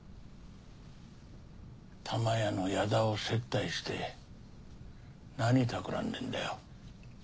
タマヤの矢田を接待して何たくらんでんだよ。